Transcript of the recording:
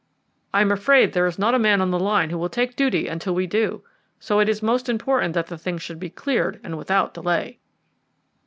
I am afraid there is not a man on the line who will take duty until we do. So it is most important that the thing should be cleared, and without delay."